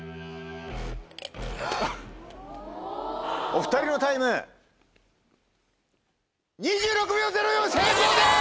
お２人のタイム２６秒０４成功です！